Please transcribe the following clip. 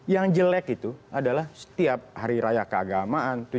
yang jelek itu adalah setiap hari raya keagamaan